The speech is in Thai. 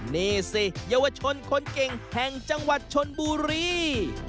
นี่สิเยาวชนคนเก่งแห่งจังหวัดชนบุรี